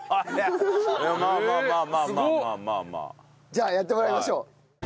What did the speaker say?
じゃあやってもらいましょう。